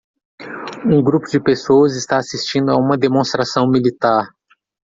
Um grupo de pessoas está assistindo a uma demonstração militar.